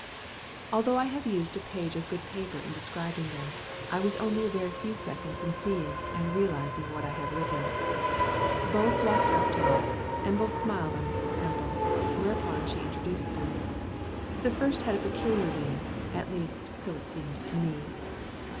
Although I have used a page of good paper in describing them, I was only a very few seconds in seeing and realizing what I have written. Both walked up to us, and both smiled on Mrs. Temple, whereupon she introduced them. The first had a peculiar name; at least, so it seemed to me.